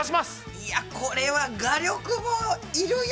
いやこれは画力も要るよ。